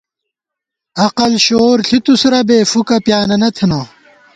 عقل شعور ݪتُوس ربے ، فُوکہ پیانَنہ تھنہ